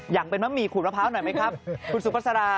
อยากใส่มะมีขูดมะพร้าวหน่อยไหมครับคุณสุพษารา